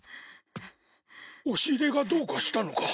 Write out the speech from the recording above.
押し入れがどうかしたのか？